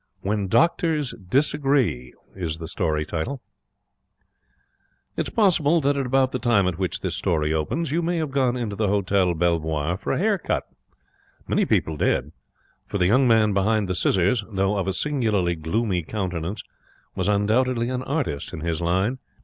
WHEN DOCTORS DISAGREE It is possible that, at about the time at which this story opens, you may have gone into the Hotel Belvoir for a hair cut. Many people did; for the young man behind the scissors, though of a singularly gloomy countenance, was undoubtedly an artist in his line.